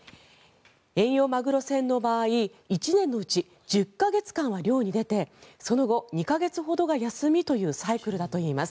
遠洋マグロ船の場合１年のうち１０か月間は漁に出てその後、２か月ほどが休みというサイクルだといいます。